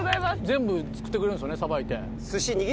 全部作ってくれるんですよねさばいて。